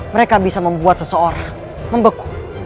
mereka bisa membuat seseorang membeku